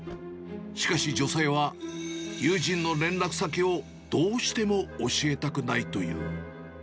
しかし女性は、友人の連絡先をどうしても教えたくないという。